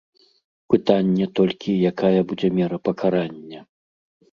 Пытанне толькі, якая будзе мера пакарання.